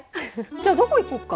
じゃあどこ行こうか？